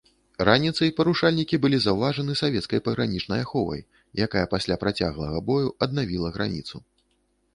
Раніцай парушальнікі былі заўважаны савецкай пагранічнай аховай, якая пасля працяглага бою аднавіла граніцу.